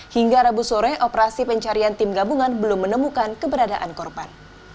hingga rabu sore operasi pencarian tim gabungan belum menemukan keberadaan korban